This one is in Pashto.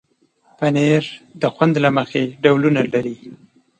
پنېر د خوند له مخې ډولونه لري.